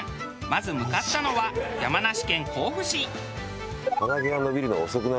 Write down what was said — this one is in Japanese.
まず向かったのは山梨県甲府市。